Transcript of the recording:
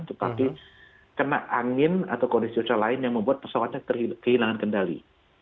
tetapi kena angin atau kondisi cuaca lain yang membuat pesawatnya kehilangan kendali